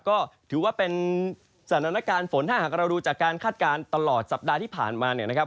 ก็ถือว่าเป็นสถานการณ์ฝนถ้าหากเราดูจากการคาดการณ์ตลอดสัปดาห์ที่ผ่านมาเนี่ยนะครับ